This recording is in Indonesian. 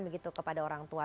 begitu kepada orang tua